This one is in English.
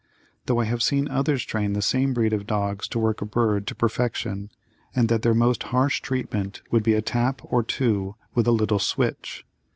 Though I have seen others train the same breed of dogs to work a bird to perfection and that their most harsh treatment would be a tap or two with a little switch.